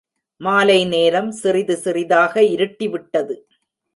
மாலை நேரம் சிறிது சிறிதாக இருட்டிவிட்டது.